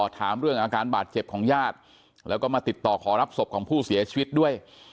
ถามเรื่องอาการบาดเจ็บของญาติแล้วก็มาติดต่อขอรับศพของผู้เสียชีวิตด้วย